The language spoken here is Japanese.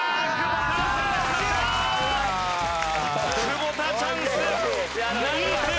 久保田チャンスならず。